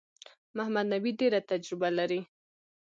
محمد نبي ډېره تجربه لري.